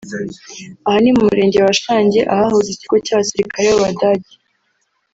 Aha ni mu Murenge wa Shangi ahahoze Ikigo cy’abasirikare b’Abadage